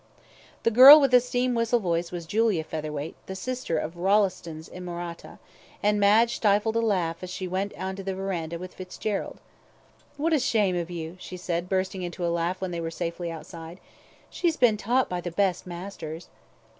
The girl with the steam whistle voice was Julia Featherweight, the sister of Rolleston's inamorata, and Madge stifled a laugh as she went on to the verandah with Fitzgerald. "What a shame of you," she said, bursting into a laugh when they were safely outside; "she's been taught by the best masters."